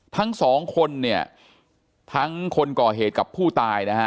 ทั้งสองคนเนี่ยทั้งคนก่อเหตุกับผู้ตายนะฮะ